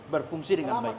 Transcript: berfungsi dengan baik